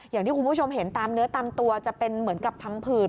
อย่างที่คุณผู้ชมเห็นตามเนื้อตามตัวจะเป็นเหมือนกับพังผืด